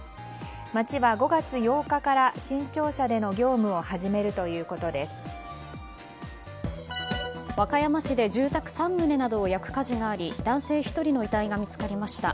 町は、５月８日から新庁舎での業務を和歌山市で住宅３棟などを焼く火事があり男性１人の遺体が見つかりました。